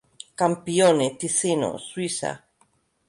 Campione, Tisino, Suïssa.